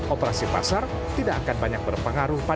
operasi pasar tidak akan banyak berpengaruh